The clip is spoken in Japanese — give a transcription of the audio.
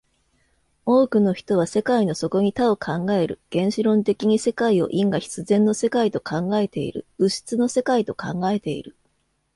多くの人は世界の底に多を考える、原子論的に世界を因果必然の世界と考えている、物質の世界と考えている。